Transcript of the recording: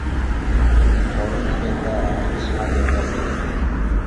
سورۇن دېگەندە ھەر قىسما گەپلەر بولىدۇ.